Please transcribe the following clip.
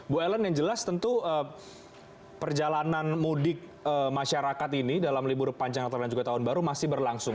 bu ellen yang jelas tentu perjalanan mudik masyarakat ini dalam libur panjang natal dan juga tahun baru masih berlangsung